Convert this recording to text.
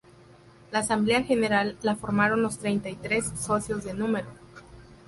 La Asamblea General la forman los treinta y tres socios de número.